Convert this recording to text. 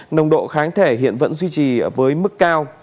nồng độ kháng thể hiện vẫn duy trì với mức cao